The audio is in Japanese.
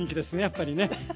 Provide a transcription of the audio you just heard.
やっぱりね。